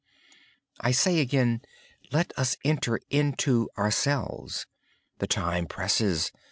I say again, let us enter into ourselves. The time presses.